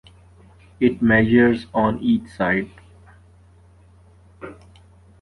It measures on each side.